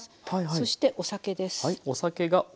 そしてお酒です。